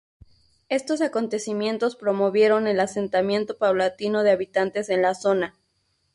Estos acontecimientos promovieron el asentamiento paulatino de habitantes en la zona.